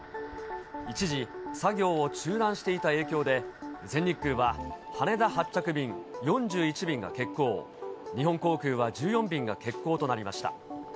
一時、作業を中断していた影響で、全日空は羽田発着便４１便が欠航、日本航空は１４便が欠航となりました。